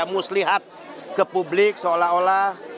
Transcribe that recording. muslihat ke publik seolah olah